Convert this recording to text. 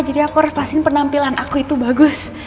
jadi aku harus pastiin penampilan aku itu bagus